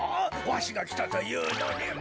わしがきたというのに。